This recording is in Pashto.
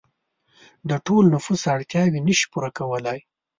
د ټول نفوس اړتیاوې نشي پوره کولای.